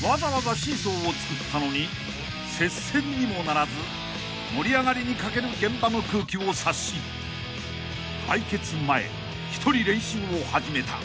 ［わざわざシーソーを作ったのに接戦にもならず盛り上がりに欠ける現場の空気を察し対決前一人練習を始めた］